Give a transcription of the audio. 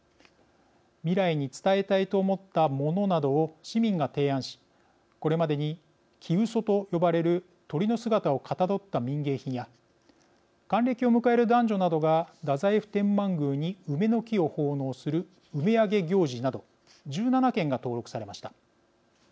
未来に伝えたいと思った「もの」などを市民が提案しこれまでに木うそと呼ばれる鳥の姿をかたどった民芸品や還暦を迎える男女などが太宰府天満宮に梅の木を奉納する梅上げ行事など１７件が登録されました。